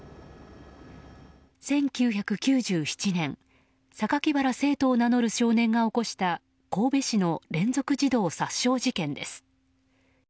１９９７年、酒鬼薔薇聖斗を名乗る少年が起こした神戸市の連続児童殺傷事件です。